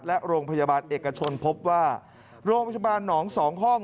และโรงพยาบาลเอกชนพบว่าโรงพยาบาลหนองสองห้อง